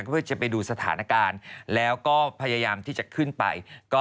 เพื่อจะไปดูสถานการณ์แล้วก็พยายามที่จะขึ้นไป